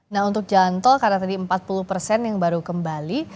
nah untuk jalan tol karena tadi empat puluh persen yang baru kembali